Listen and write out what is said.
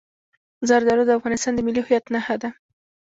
زردالو د افغانستان د ملي هویت نښه ده.